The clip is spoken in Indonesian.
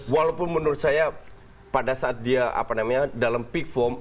walaupun menurut saya pada saat dia dalam peak form